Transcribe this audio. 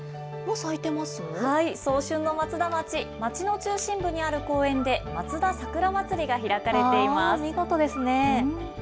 早春の松田町、町の中心部にある公園でまつだ桜まつりが開かれています。